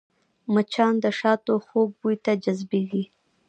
مچان د شاتو خوږ بوی ته جذبېږي